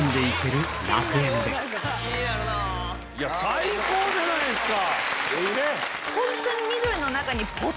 最高じゃないですか！